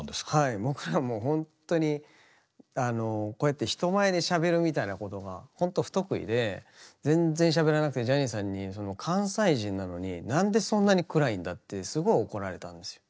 僕らもうほんとにこうやって人前でしゃべるみたいなことがほんと不得意で全然しゃべらなくてジャニーさんに関西人なのに何でそんなに暗いんだってすごい怒られたんですよ。